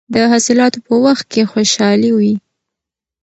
د حاصلاتو په وخت کې خوشحالي وي.